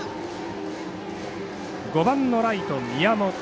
５番のライト宮本。